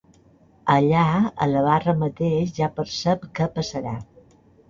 Allà a la barra mateix ja percep què passarà.